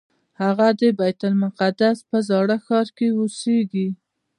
هغه د بیت المقدس په زاړه ښار کې اوسېږي.